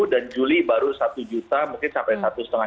dan juli baru satu juta mungkin sampai satu lima juta